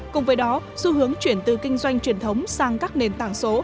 cùng với đó xu hướng chuyển từ kinh doanh truyền thống sang các nền tảng số